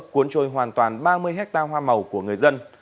cuốn trôi hoàn toàn ba mươi hectare hoa màu của người dân